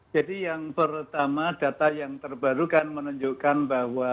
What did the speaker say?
jadi yang pertama data yang terbarukan menunjukkan bahwa